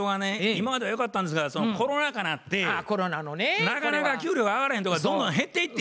今まではよかったんですがコロナ禍なってなかなか給料が上がらへんとかどんどん減っていって。